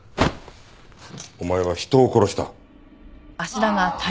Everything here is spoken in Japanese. お前は人を殺した。